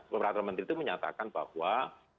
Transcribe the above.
beberapa menteri itu menyatakan bahwa